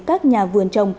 các nhà vườn trồng